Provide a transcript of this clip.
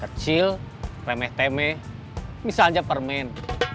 kecil remeh temeh misalnya permen